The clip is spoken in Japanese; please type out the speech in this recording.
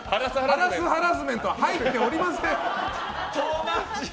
ハラスハラスメントは入っておりません。